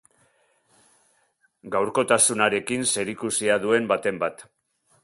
Gaurkotasunarekin zerikusia duen baten bat.